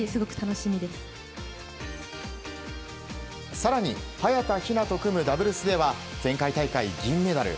更に早田ひなと組むダブルスでは前回大会、銀メダル。